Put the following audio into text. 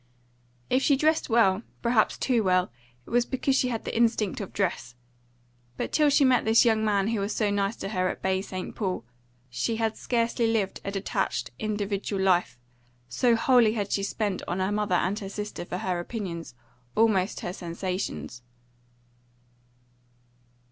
If she dressed well, perhaps too well, it was because she had the instinct of dress; but till she met this young man who was so nice to her at Baie St. Paul, she had scarcely lived a detached, individual life, so wholly had she depended on her mother and her sister for her opinions, almost her sensations.